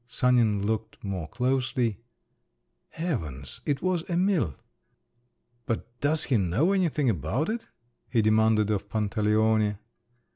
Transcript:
Sanin looked more closely…. Heavens! it was Emil! "But does he know anything about it?" he demanded of Pantaleone.